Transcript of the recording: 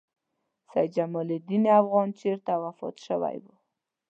سیدجمال الدین افغان چېرته وفات شوی و؟